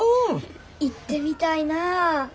行ってみたいなぁ。